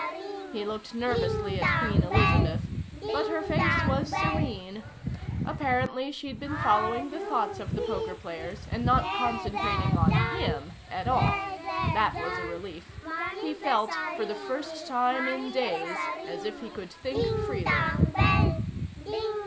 He looked nervously at Queen Elizabeth, but her face was serene. Apparently she'd been following the thoughts of the poker players, and not concentrating on him at all. That was a relief. He felt, for the first time in days, as if he could think freely.